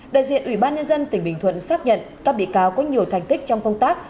đại diện ủy ban nhân dân tỉnh bình thuận xác nhận các bị cáo có nhiều thành tích trong công tác